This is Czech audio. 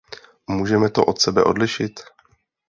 Můžeme to od sebe odlišit?